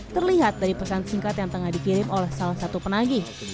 terlihat dari pesan singkat yang tengah dikirim oleh salah satu penagih